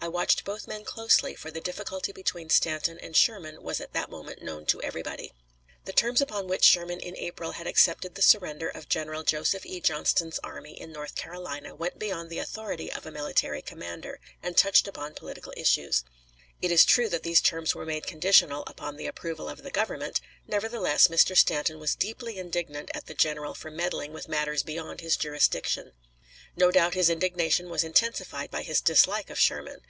I watched both men closely, for the difficulty between Stanton and Sherman was at that moment known to everybody. The terms upon which Sherman in April had accepted the surrender of General Joseph E. Johnston's army in North Carolina went beyond the authority of a military commander, and touched upon political issues. It is true that these terms were made conditional upon the approval of the Government; nevertheless, Mr. Stanton was deeply indignant at the general for meddling with matters beyond his jurisdiction. No doubt his indignation was intensified by his dislike of Sherman.